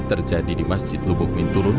terjadi di masjid lubuk minturun